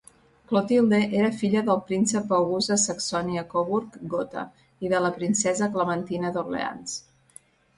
Clotilde era filla del príncep August de Saxònia-Coburg Gotha i de la princesa Clementina d'Orleans.